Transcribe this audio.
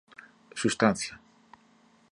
substância